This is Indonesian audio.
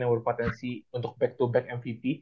yang berpotensi untuk back to back mvp